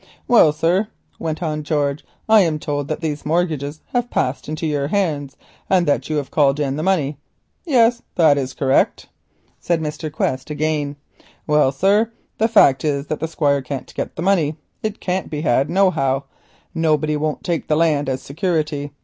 "Well, sir," went on George, "I'm told that these dratted mortgages hev passed into your hands, and that you hev called in the money." "Yes, that is correct," said Mr. Quest again. "Well, sir, the fact is that the Squire can't git the money. It can't be had nohow. Nobody won't take the land as security.